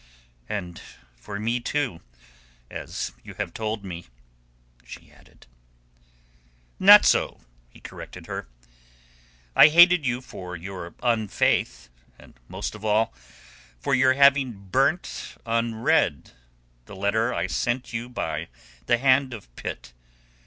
"And for me, too—as you have told me," she added. "Not so," he corrected her. "I hated you for your unfaith, and most of all for your having burnt unread the letter that I sent you by the hand of Pitt.